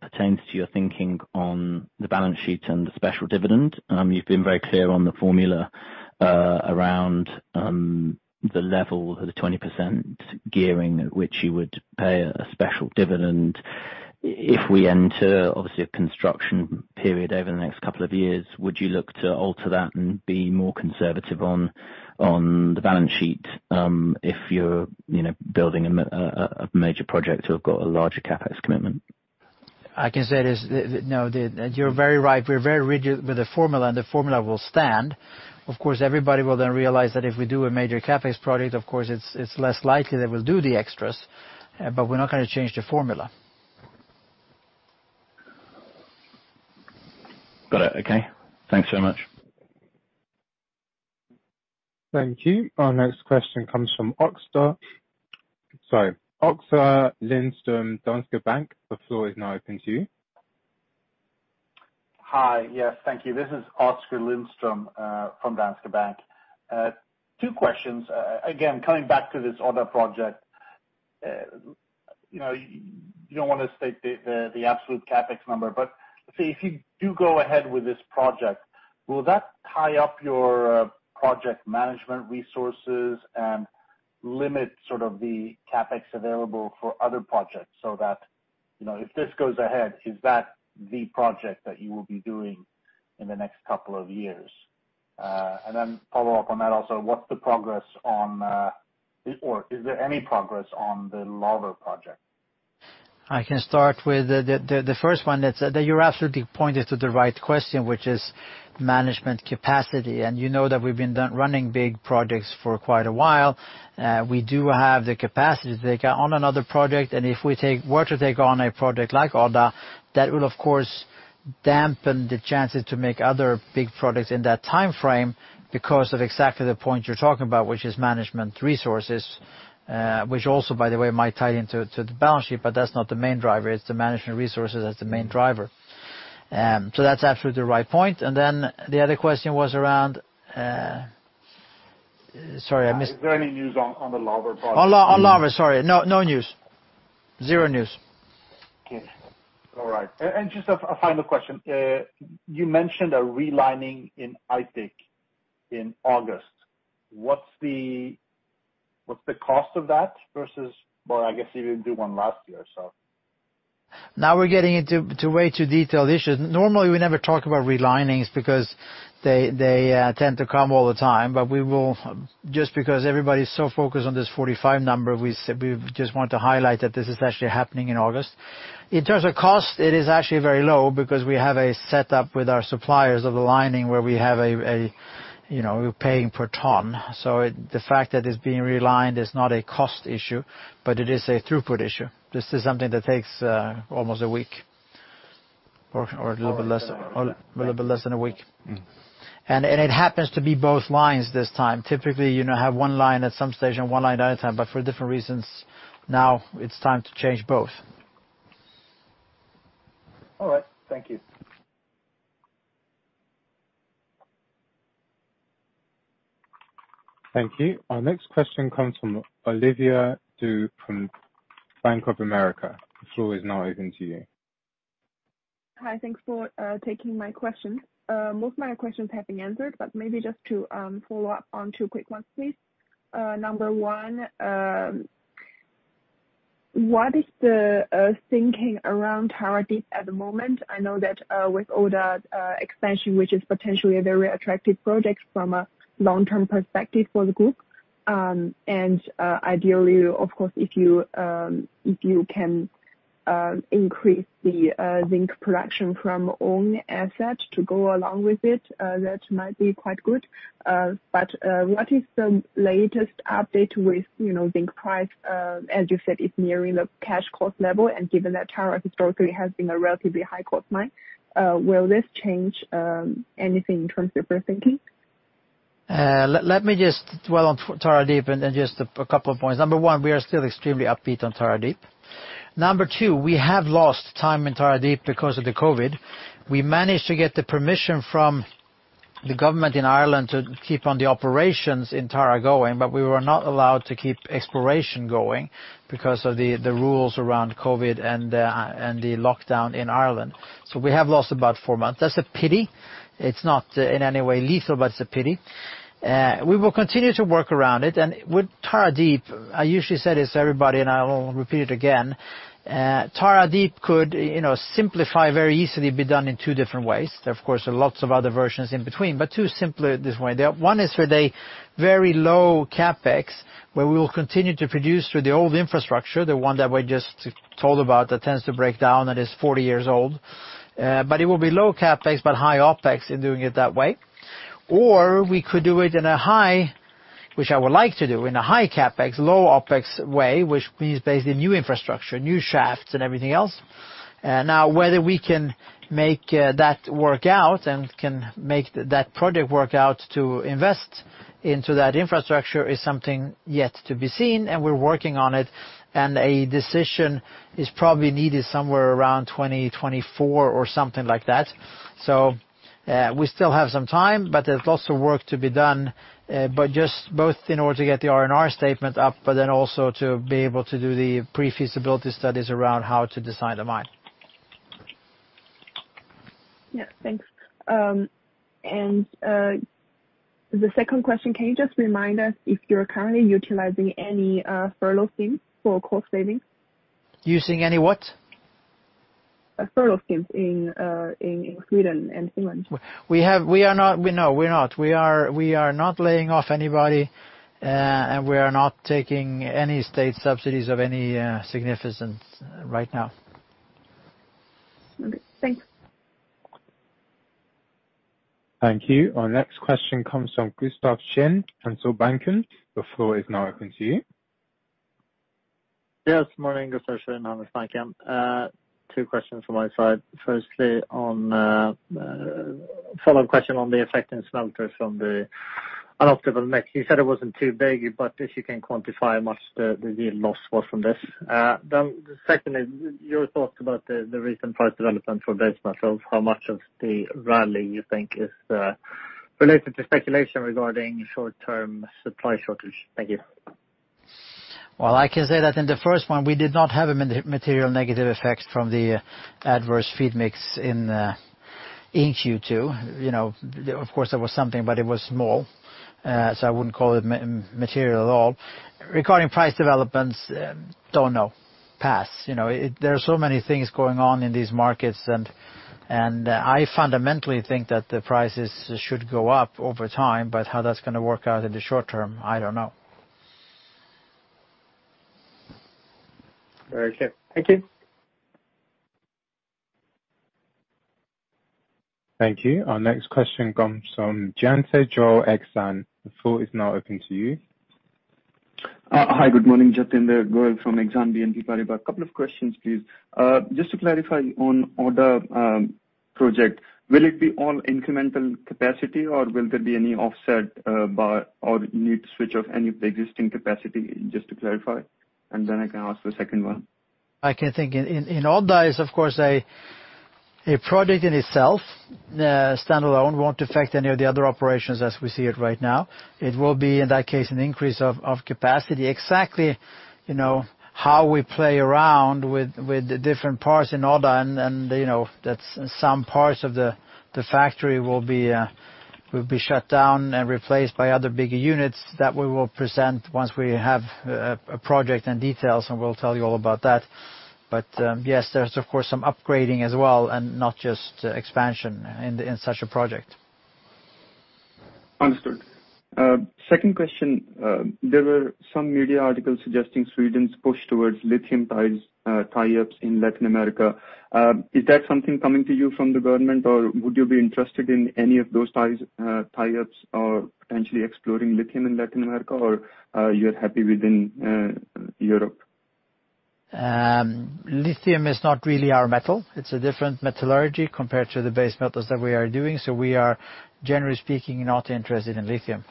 pertains to your thinking on the balance sheet and the special dividend. You've been very clear on the formula around the level of the 20% gearing at which you would pay a special dividend. If we enter, obviously, a construction period over the next couple of years, would you look to alter that and be more conservative on the balance sheet if you're building a major project or got a larger CapEx commitment? I can say it is No, you're very right. We're very rigid with the formula, and the formula will stand. Of course, everybody will then realize that if we do a major CapEx project, of course, it's less likely that we'll do the extras, but we're not going to change the formula. Got it. Okay. Thanks so much. Thank you. Our next question comes from Oskar Lindström, Danske Bank. The floor is now open to you. Hi. Yes. Thank you. This is Oskar Lindström from Danske Bank. Two questions, again, coming back to this other project. You don't want to state the absolute CapEx number, but say, if you do go ahead with this project, will that tie up your project management resources and limit sort of the CapEx available for other projects so that if this goes ahead, is that the project that you will be doing in the next couple of years? Then follow up on that also, what's the progress on or is there any progress on the Laver project? I can start with the first one that you absolutely pointed to the right question, which is management capacity. You know that we've been running big projects for quite a while. We do have the capacity to take on another project, and if we were to take on a project like Odda, that will of course dampen the chances to make other big projects in that timeframe because of exactly the point you're talking about, which is management resources which also, by the way, might tie into the balance sheet. That's not the main driver. It's the management resources that's the main driver. That's absolutely the right point. The other question was around Sorry, I missed. Is there any news on the Laver project? On Laver, sorry. No news. Zero news. Okay. All right. Just a final question. You mentioned a relining in Aitik in August. What's the cost of that versus I guess you didn't do one last year. Now we're getting into way too detailed issues. Normally, we never talk about relinings because they tend to come all the time, but we will, just because everybody is so focused on this 45 number, we just want to highlight that this is actually happening in August. In terms of cost, it is actually very low because we have a set up with our suppliers of the lining where we have a paying per ton. The fact that it's being relined is not a cost issue, but it is a throughput issue. This is something that takes almost one week or a little bit less than one week. It happens to be both lines this time. Typically, you now have one line at some station, one line at a time, but for different reasons, now it's time to change both. All right. Thank you. Thank you. Our next question comes from Olivia Du from Bank of America. The floor is now open to you. Hi, thanks for taking my question. Most of my questions have been answered, maybe just to follow up on two quick ones, please. Number one, what is the thinking around Tara Deep at the moment? I know that with all that expansion, which is potentially a very attractive project from a long-term perspective for the group, and ideally, of course, if you can. increase the zinc production from own asset to go along with it. That might be quite good. What is the latest update with zinc price? As you said, it's nearing the cash cost level, and given that Tara historically has been a relatively high cost mine, will this change anything in terms of your thinking? Let me just dwell on Tara Deep, just a couple of points. Number one, we are still extremely upbeat on Tara Deep. Number two, we have lost time in Tara Deep because of the COVID. We managed to get the permission from the government in Ireland to keep on the operations in Tara going, we were not allowed to keep exploration going because of the rules around COVID and the lockdown in Ireland. We have lost about four months. That's a pity. It's not in any way lethal, it's a pity. We will continue to work around it. With Tara Deep, I usually said this to everybody, I'll repeat it again. Tara Deep could simplify very easily be done in two different ways. There, of course, are lots of other versions in between, two simpler this way. One is for the very low CapEx, where we will continue to produce through the old infrastructure, the one that we just told about that tends to break down, that is 40 years old. It will be low CapEx but high OpEx in doing it that way. We could do it in a high, which I would like to do, in a high CapEx, low OpEx way, which means basically new infrastructure, new shafts, and everything else. Whether we can make that work out and can make that project work out to invest into that infrastructure is something yet to be seen, and we're working on it, and a decision is probably needed somewhere around 2024 or something like that. We still have some time, but there is lots of work to be done, but just both in order to get the R&R statement up, but then also to be able to do the pre-feasibility studies around how to design the mine. Yeah, thanks. The second question, can you just remind us if you're currently utilizing any furlough schemes for cost savings? Using any what? Furlough schemes in Sweden and Finland. No, we're not. We are not laying off anybody, and we are not taking any state subsidies of any significance right now. Okay. Thanks. Thank you. Our next question comes from Gustaf Schwerin, Handelsbanken. The floor is now open to you. Yes, morning. Gustaf Schwerin, Handelsbanken. Two questions from my side. A follow-up question on the effect in smelter from the suboptimal mix. You said it wasn't too big, if you can quantify much the yield loss was from this. Secondly, your thoughts about the recent price development for base metals. How much of the rally you think is related to speculation regarding short-term supply shortage? Thank you. Well, I can say that in the first one, we did not have a material negative effect from the adverse feed mix in Q2. Of course, there was something, but it was small. I wouldn't call it material at all. Regarding price developments, don't know. Pass. There are so many things going on in these markets, and I fundamentally think that the prices should go up over time. How that's going to work out in the short term, I don't know. Very clear. Thank you. Thank you. Our next question comes from Jatinder Goyal, Exane. The floor is now open to you. Hi, good morning. Jatinder Goyal from Exane BNP Paribas. A couple of questions, please. Just to clarify on Odda project, will it be all incremental capacity, or will there be any offset or need to switch off any of the existing capacity? Just to clarify. Then I can ask the second one. I can think in Odda, of course, a project in itself, standalone, won't affect any of the other operations as we see it right now. It will be, in that case, an increase of capacity. Exactly how we play around with the different parts in Odda and that some parts of the factory will be shut down and replaced by other bigger units, that we will present once we have a project and details, and we'll tell you all about that. Yes, there's of course some upgrading as well and not just expansion in such a project. Understood. Second question. There were some media articles suggesting Sweden's push towards lithium tie-ups in Latin America. Is that something coming to you from the government, or would you be interested in any of those tie-ups or potentially exploring lithium in Latin America, or you're happy within Europe? Lithium is not really our metal. It's a different metallurgy compared to the base metals that we are doing. We are, generally speaking, not interested in lithium.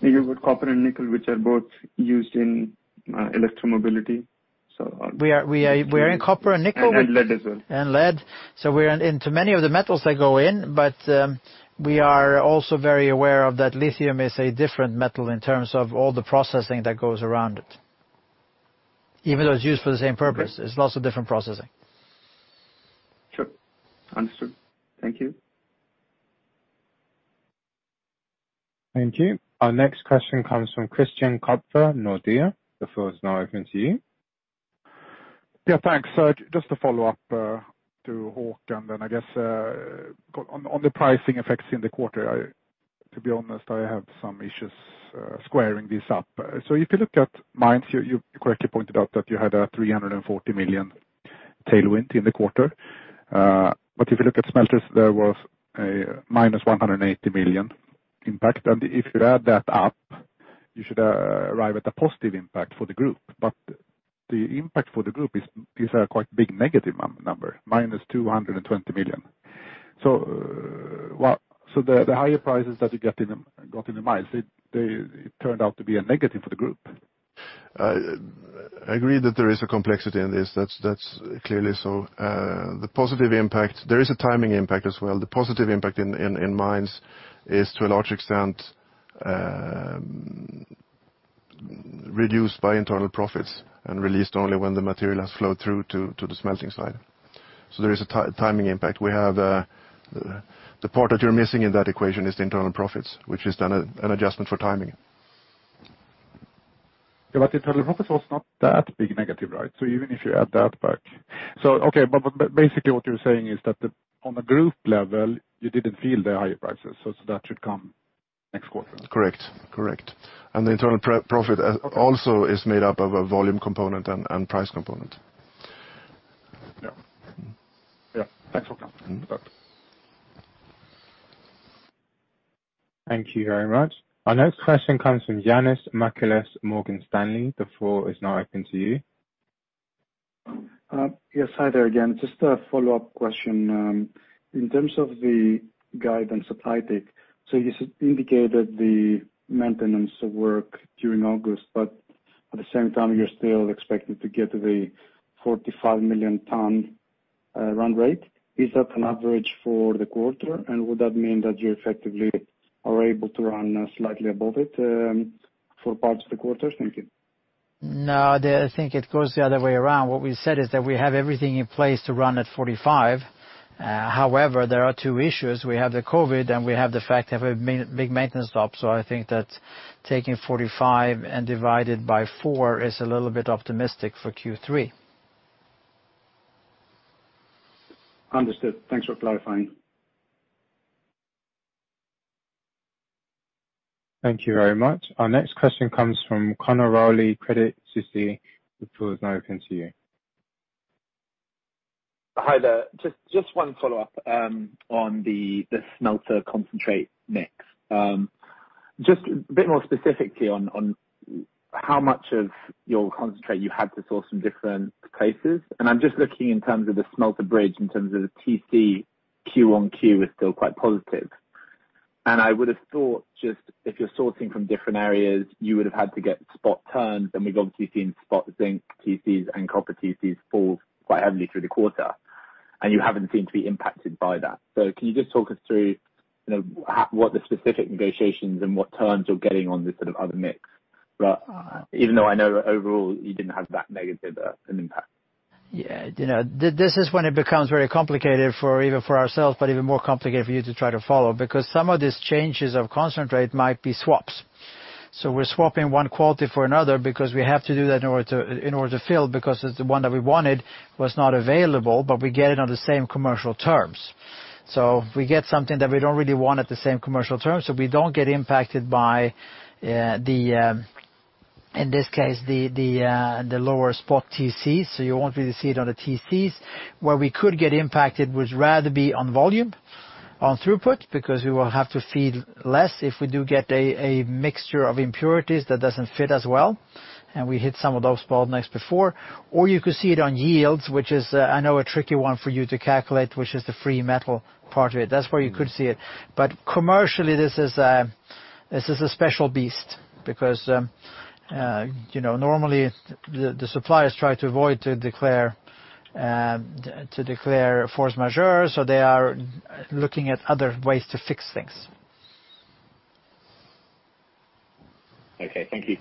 Maybe with copper and nickel, which are both used in electromobility. We are in copper and nickel. Lead as well. and lead. We're into many of the metals that go in, but we are also very aware of that lithium is a different metal in terms of all the processing that goes around it. Even though it's used for the same purpose, it's lots of different processing. Sure. Understood. Thank you. Thank you. Our next question comes from Christian Kopfer, Nordea. The floor is now open to you. Yeah, thanks. Just to follow up to Håkan then, I guess, on the pricing effects in the quarter, to be honest, I have some issues squaring this up. If you look at mines, you correctly pointed out that you had a 340 million tailwind in the quarter. If you look at smelters, there was a minus 180 million impact. If you add that up, you should arrive at a positive impact for the group. The impact for the group is a quite big negative number, minus 220 million. The higher prices that you got in the mines, it turned out to be a negative for the group. I agree that there is a complexity in this, that's clearly so. There is a timing impact as well. The positive impact in mines is, to a large extent, reduced by internal profits and released only when the material has flowed through to the smelting side. There is a timing impact. The part that you're missing in that equation is the internal profits, which is an adjustment for timing. Internal profits was not that big negative, right? Even if you add that back. Okay, basically what you're saying is that on a group level, you didn't feel the higher prices, that should come next quarter. Correct. The internal profit also is made up of a volume component and price component. Yeah. Thanks for that. Thank you very much. Our next question comes from Ioannis Masvoulas, Morgan Stanley. The floor is now open to you. Yes. Hi there again. Just a follow-up question. In terms of the guidance that I take, you indicated the maintenance of work during August, at the same time, you're still expected to get the 45 million ton run rate. Is that an average for the quarter? Would that mean that you effectively are able to run slightly above it for parts of the quarter? Thank you. No, I think it goes the other way around. What we said is that we have everything in place to run at 45. However, there are two issues. We have the COVID-19, and we have the fact that we have a big maintenance stop. I think that taking 45 and divided by four is a little bit optimistic for Q3. Understood. Thanks for clarifying. Thank you very much. Our next question comes from Conor Rowley, Credit Suisse. The floor is now open to you. Hi there. One follow-up on the smelter concentrate mix. A bit more specifically on how much of your concentrate you had to source from different places. I'm looking in terms of the smelter bridge, in terms of the TC Q1 is still quite positive. I would have thought if you're sourcing from different areas, you would have had to get spot TCs, we've obviously seen spot zinc TCs and copper TCs fall quite heavily through the quarter, you haven't seemed to be impacted by that. Can you talk us through what the specific negotiations and what TCs you're getting on this sort of other mix? Even though I know overall you didn't have that negative an impact. Yeah. This is when it becomes very complicated even for ourselves, but even more complicated for you to try to follow, because some of these changes of concentrate might be swaps. We're swapping one quality for another because we have to do that in order to fill, because the one that we wanted was not available, but we get it on the same commercial terms. We get something that we don't really want at the same commercial terms, so we don't get impacted by, in this case, the lower spot TCs, so you won't really see it on the TCs. Where we could get impacted would rather be on volume, on throughput, because we will have to feed less if we do get a mixture of impurities that doesn't fit as well, and we hit some of those bottlenecks before. You could see it on yields, which is I know a tricky one for you to calculate, which is the free metal part of it. That's where you could see it. Commercially, this is a special beast because normally the suppliers try to avoid to declare force majeure, so they are looking at other ways to fix things. Okay. Thank you.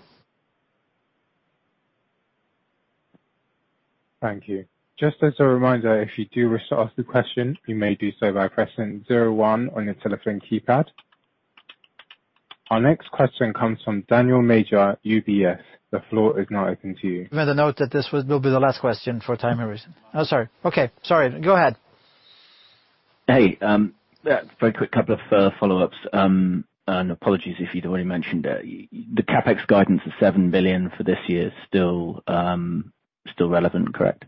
Thank you. Just as a reminder, if you do wish to ask a question, you may do so by pressing zero one on your telephone keypad. Our next question comes from Daniel Major, UBS. The floor is now open to you. We made a note that this will be the last question for time and reason. Oh, sorry. Okay, sorry. Go ahead. Hey. Very quick couple of follow-ups, and apologies if you'd already mentioned it. The CapEx guidance of 7 billion for this year is still relevant, correct?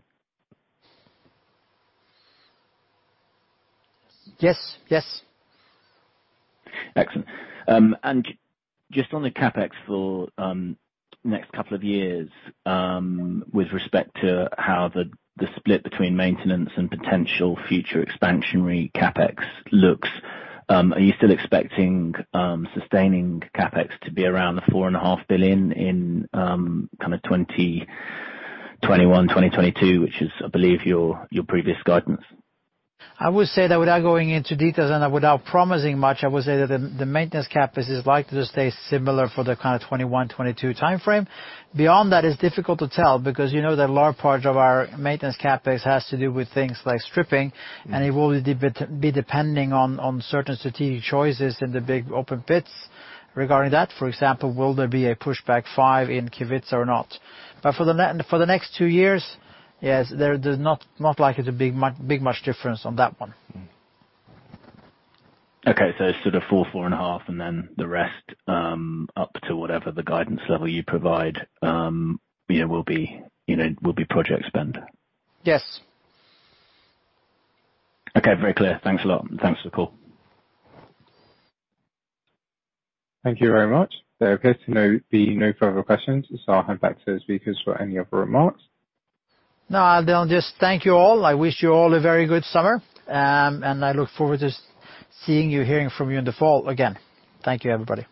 Yes. Excellent. Just on the CapEx for next couple of years, with respect to how the split between maintenance and potential future expansionary CapEx looks, are you still expecting sustaining CapEx to be around four and a half billion in 2021, 2022, which is, I believe, your previous guidance? I would say that without going into details and without promising much, I would say that the maintenance CapEx is likely to stay similar for the 2021, 2022 timeframe. Beyond that, it's difficult to tell because you know that a large part of our maintenance CapEx has to do with things like stripping, and it will be depending on certain strategic choices in the big open pits regarding that. For example, will there be a pushback five in Kevitsa or not? For the next two years, yes, there's not likely to be big much difference on that one. Okay, sort of four and a half, and then the rest up to whatever the guidance level you provide will be project spend. Yes. Okay. Very clear. Thanks a lot. Thanks for the call. Thank you very much. There appears to be no further questions, so I'll hand back to the speakers for any other remarks. I'll just thank you all. I wish you all a very good summer, and I look forward to seeing you, hearing from you in the fall again. Thank you, everybody.